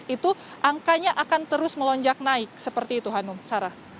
itu angkanya akan terus melonjak naik seperti itu hanum sarah